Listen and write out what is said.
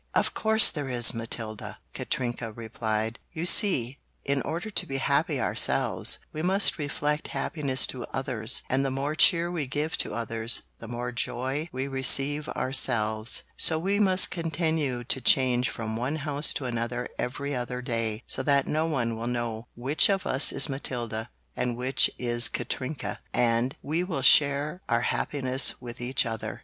"Of course there is, Matilda!" Katrinka replied. "You see, in order to be happy ourselves we must reflect happiness to others, and the more cheer we give to others the more joy we receive ourselves, so we must continue to change from one house to another every other day so that no one will know which of us is Matilda and which is Katrinka and we will share our happiness with each other."